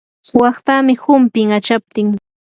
waqtamii humpin achachaptin.